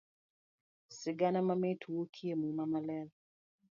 Sigana mamit wuokie muma maler.